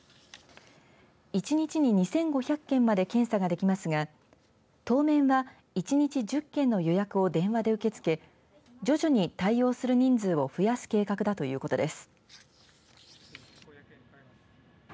１日に２５００件まで検査ができますが当面は１日１０件の予約を電話で受け付け徐々に対応する人数を増やす計画だということです。